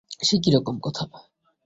সে কী রকম কথা?